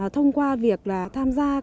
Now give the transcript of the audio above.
thông qua việc tham gia